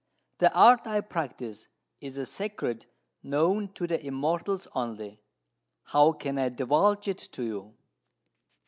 The art I practise is a secret known to the Immortals only: how can I divulge it to you?"